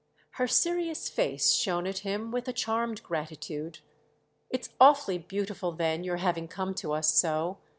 Her serious face shone at him with a charmed gratitude. "It's awfully beautiful then your having come to us so.